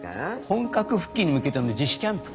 本格復帰に向けての自主キャンプか。